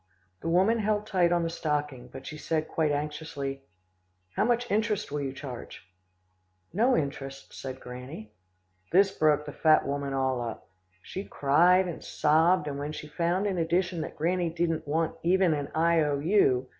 "The woman held tight on the stocking, but she said quite anxiously, 'How much interest will you charge?' "'No interest,' said Granny. "This broke the fat woman all up. She cried and sobbed, and when she found in addition that Granny didn't want even an I. O.